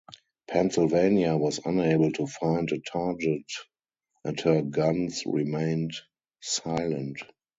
"Pennsylvania" was unable to find a target and her guns remained silent.